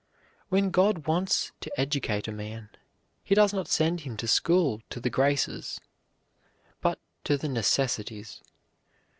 When God wants to educate a man, he does not send him to school to the Graces, but to the Necessities.